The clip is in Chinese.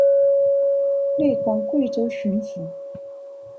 累官贵州巡抚。